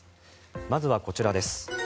まずはこちらです。